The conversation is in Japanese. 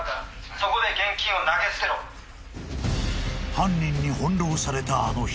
［犯人に翻弄されたあの日］